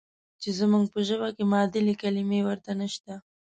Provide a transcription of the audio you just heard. چې زموږ په ژبه کې معادلې کلمې ورته نشته.